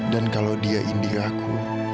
dan kalau dia indiraku